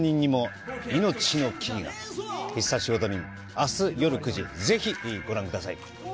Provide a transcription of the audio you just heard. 明日、夜９時、ぜひご覧ください！